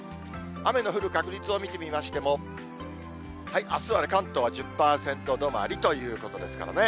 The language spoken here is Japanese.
雨の降る確率を見てみましても、あすは関東は１０％止まりということですからね。